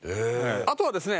あとはですね